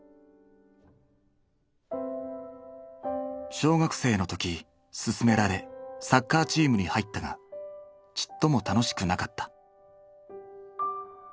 小学生の時勧められサッカーチームに入ったがちっとも楽しくなかった。